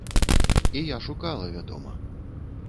І я шукала, вядома.